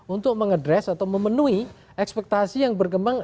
untuk mengedres atau memenuhi ekspektasi yang bergembang